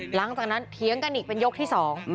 หลังจากนั้นเถียงกันอีกเป็นยกที่๒